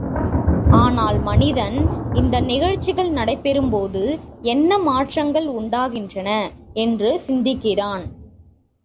ஆனால் மனிதன் இந்நிகழ்ச்சிகள் நடைபெறும்போது என்ன மாற்றங்கள் உண்டாகின்றன என்று சிந்திக்கிறான்.